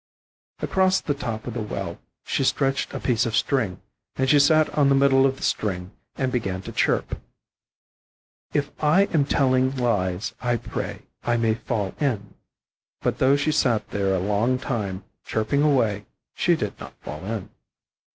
Across the top of the well she stretched a piece of string, and she sat on the middle of the string, and began to chirp, "If I am telling lies, I pray I may fall in." But though she sat there a long time, chirping away, she did not fall in.